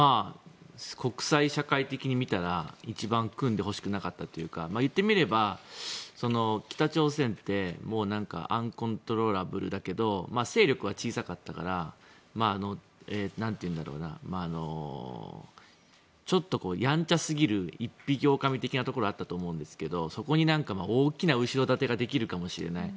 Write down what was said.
国際社会的に見たら一番組んでほしくなかったというか言ってみれば、北朝鮮ってアンコントローラブルだけど勢力は小さかったからちょっとやんちゃすぎる一匹おおかみ的なところはあったと思うんだけどそこに大きな後ろ盾ができるかもしれない。